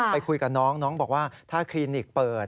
ไปคุยกับน้องน้องบอกว่าถ้าคลินิกเปิด